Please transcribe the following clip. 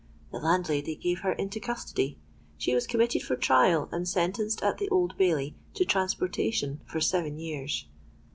The landlady gave her into custody; she was committed for trial, and sentenced at the Old Bailey to transportation for seven years.